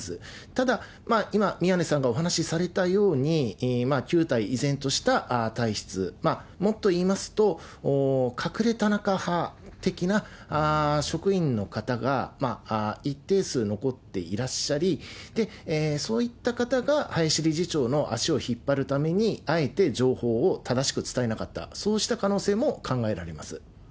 ただ、今、宮根さんがお話しされたように、旧態依然とした体質、もっと言いますと、隠れ田中派的な職員の方が一定数残っていらっしゃり、そういった方が林理事長の足を引っ張るために、あえて情報を正しく伝えなかった、そうした可能性も考えられます。